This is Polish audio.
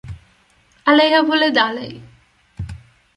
"Ale ja wolę dalej..."